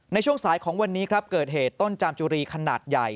ในช่วงสายของวันนี้ครับเกิดเหตุต้นจามจุรีขนาดใหญ่